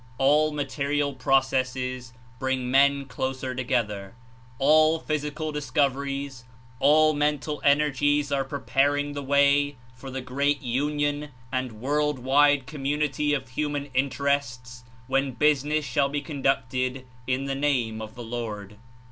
All material processes bring men closer together, all physical discoveries, all mental energies are preparing the way for the great union and world wide community of human Interests when "business" shall be conducted "In the Name of the Lord."